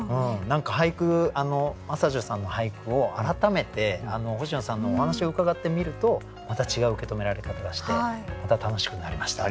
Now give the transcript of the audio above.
何か真砂女さんの俳句を改めて星野さんのお話を伺って見るとまた違う受け止められ方がしてまた楽しくなりました。